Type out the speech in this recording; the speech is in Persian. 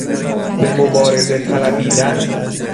به مبارزه طلبیدن